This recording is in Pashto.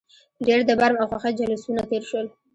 ډېر د برم او خوښۍ جلوسونه تېر شول.